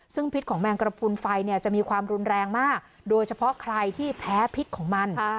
ซึ่งพิษของแมงกระพุนไฟเนี่ยจะมีความรุนแรงมากโดยเฉพาะใครที่แพ้พิษของมัน